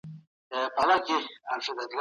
پر مهال، د نفوس له مخي، د هر انګلیسي په مقابل